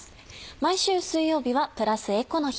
毎週水曜日はプラスエコの日。